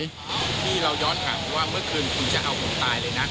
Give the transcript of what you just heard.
ที่เราย้อนกลับไปว่าเมื่อคืนคุณจะเอาผมตายเลยนะ